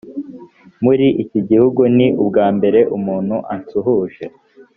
muri iki gihugu ni ubwa mbere umuntu anshuhuje.